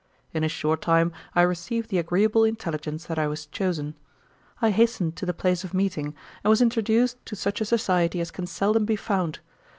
In a short time I received the agreeable intelligence that I was chosen. I hastened to the place of meeting, and was introduced to such a society as can seldom be found.